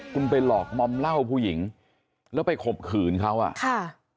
คุณไปหลอกมอมเหล้าผู้หญิงแล้วไปข่มขืนเขาอ่ะค่ะ